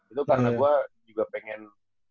itu karena gue juga pengen